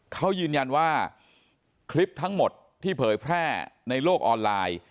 เขายืนยันว่าคลิปทั้งหมดที่เผยแพร่ในโลกออนไลน์